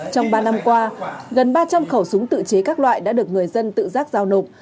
trong ba năm qua gần ba trăm linh khẩu súng tự chế các loại đã được người dân tự giác giao nộp